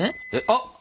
あっ！